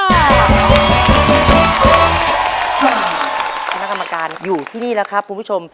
ทุกท่านคำการอยู่ที่นี้แหละครับคุณผู้ชม